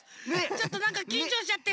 ちょっとなんかきんちょうしちゃって。